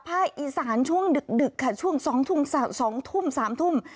ภาคอีสานช่วงดึกค่ะช่วง๒ทุ่ม๓ทุ่ม